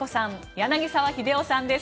柳澤秀夫さんです。